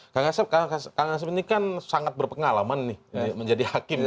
kang ghasib ini kan sangat berpengalaman nih menjadi hakim gitu ya